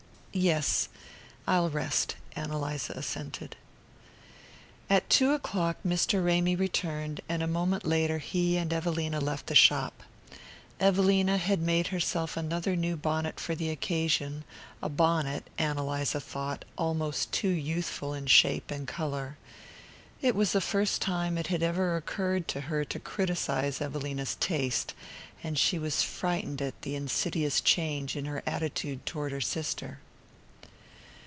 "Yes, I'll rest," Ann Eliza assented. At two o'clock Mr. Ramy returned, and a moment later he and Evelina left the shop. Evelina had made herself another new bonnet for the occasion, a bonnet, Ann Eliza thought, almost too youthful in shape and colour. It was the first time it had ever occurred to her to criticize Evelina's taste, and she was frightened at the insidious change in her attitude toward her sister.